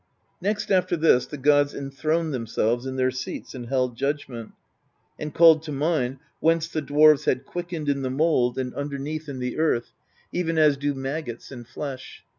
Next after this, the gods enthroned themselves in their seats and held judgment, and called to mind whence the dwarves had quickened in the mould and underneath in the 26 PROSE EDDA earth, even as do maggots in flesh.